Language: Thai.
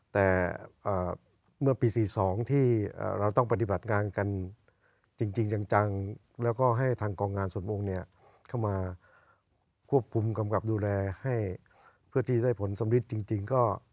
แต่เมื่อปี๔๒นไปที่เราต้องปฏิบัติงานจริงจังแล้วให้ทางกองงานฝนหลวงเข้ามากำกับดูแลให้ให้ได้ผลสมรีจริง